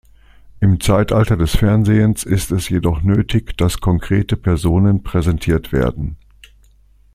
Im Zeitalter des Fernsehens ist es jedoch nötig, dass konkrete Personen präsentiert werden.